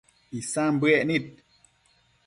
Isan bëec nid